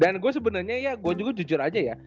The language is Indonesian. dan gue sebenernya ya gue juga jujur aja ya